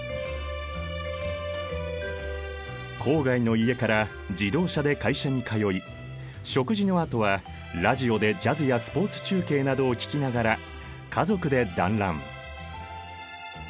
郊外の家から自動車で会社に通い食事のあとはラジオでジャズやスポーツ中継などを聞きながら家族で団らん。